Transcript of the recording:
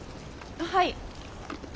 はい。